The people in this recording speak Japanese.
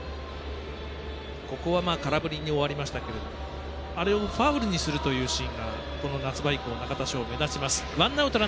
ここは空振りに終わりましたけれども、あれをファウルにするというシーンがこの夏場以降、中田翔目立ちます。